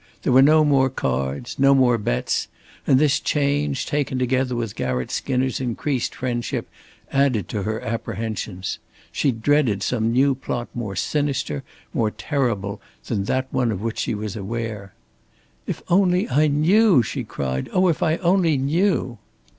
There were no more cards, no more bets; and this change taken together with Garratt Skinner's increased friendship added to her apprehensions. She dreaded some new plot more sinister, more terrible than that one of which she was aware. "If only I knew," she cried. "Oh, if only I knew!"